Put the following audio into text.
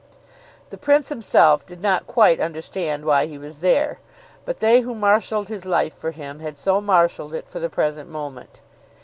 The Prince himself did not quite understand why he was there, but they who marshalled his life for him had so marshalled it for the present moment.